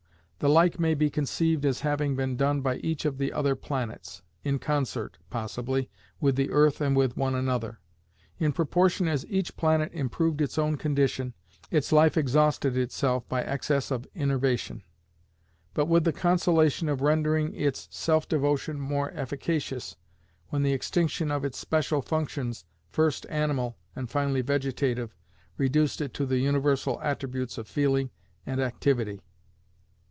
The like may be conceived as having been done by each of the other planets, in concert, possibly, with the Earth and with one another. "In proportion as each planet improved its own condition, its life exhausted itself by excess of innervation; but with the consolation of rendering its self devotion more efficacious, when the extinction of its special functions, first animal, and finally vegetative, reduced it to the universal attributes of feeling and activity."